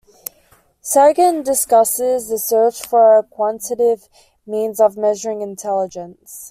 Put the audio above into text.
Sagan discusses the search for a quantitative means of measuring intelligence.